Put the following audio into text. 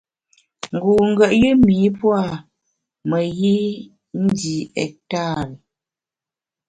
Ngu ngùet yùm ’i pua’ meyi ndi ektari.